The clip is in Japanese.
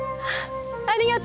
ありがとう！